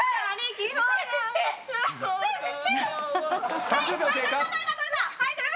はい。